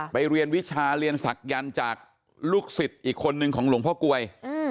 เรียนวิชาเรียนศักยันต์จากลูกศิษย์อีกคนนึงของหลวงพ่อกลวย